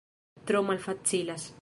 Tro malfacilas